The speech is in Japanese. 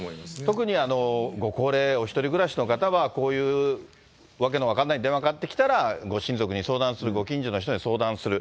特にご高齢、お一人暮らしの方は、こういう訳の分かんない電話がかかってきたら、ご親族に相談する、ご近所の人に相談する。